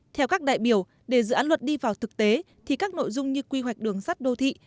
theo các đại biểu để dự án luật đi vào thực tế thì các nội dung như quy hoạch đường sắt đô thị